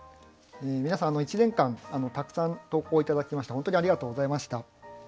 皆さん１年間たくさん投稿頂きまして本当にありがとうございました。